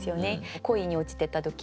恋に落ちてた時は。